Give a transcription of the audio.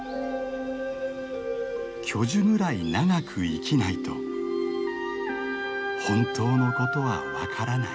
「巨樹ぐらい長く生きないと本当のことは分からない」。